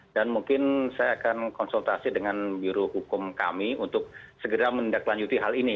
dan mungkin saya akan konsultasi dengan biroh hukum kami untuk segera mendaklanjuti hal ini